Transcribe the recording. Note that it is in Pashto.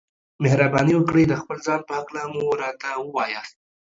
مهرباني وکړئ د خپل ځان په هکله مو راته ووياست.